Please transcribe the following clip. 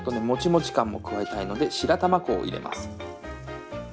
もちもち感も加えたいので白玉粉を入れます。